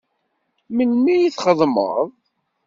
Melmi ay txeddmeḍ?